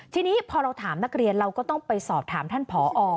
ทีนี้พอเราถามนักเรียนเราก็ต้องไปสอบถามท่านผอ